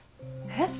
えっ！？